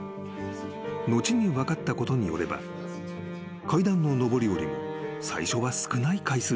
［後に分かったことによれば階段の上り下りも最初は少ない回数だった］